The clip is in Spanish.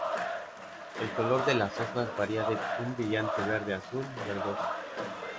El color de las hojas varía de un brillante verde a azul verdosas.